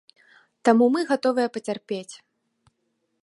Таму мы гатовыя пацярпець.